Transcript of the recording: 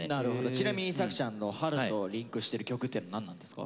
ちなみに作ちゃんの春とリンクしてる曲ってのは何なんですか？